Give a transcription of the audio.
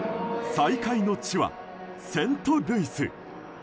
再会の地はセントルイス。